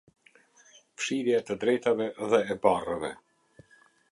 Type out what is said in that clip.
Fshirja e të drejtave dhe e barrëve.